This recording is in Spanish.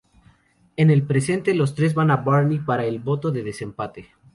En el presente, los tres van a Barney para el voto de desempate.